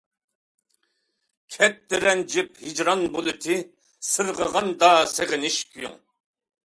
كەتتى رەنجىپ ھىجران بۇلۇتى، سىرغىغاندا سېغىنىش كۈيۈڭ.